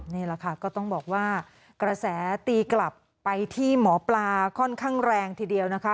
นี่แหละค่ะก็ต้องบอกว่ากระแสตีกลับไปที่หมอปลาค่อนข้างแรงทีเดียวนะคะ